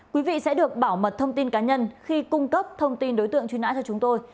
quý vị sẽ được bảo mật thông tin cá nhân khi cung cấp thông tin đối tượng truy nã cho chúng tôi